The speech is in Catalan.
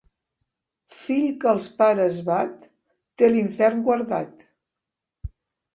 Fill que els pares bat, té l'infern guardat.